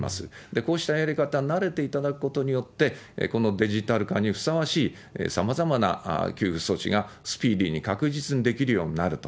こうしたやり方に慣れていただくことによって、このデジタル化にふさわしいさまざまな給付措置がスピーディーに確実にできるようになると。